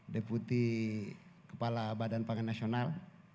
deputi kepala badan pangan nasional